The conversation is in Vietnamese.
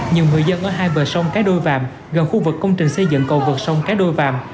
nhiều người dân ở hai bờ sông cái đôi vạm gần khu vực công trình xây dựng cầu vật sông cái đôi vạm